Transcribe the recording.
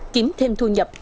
kiếm thêm thu nhập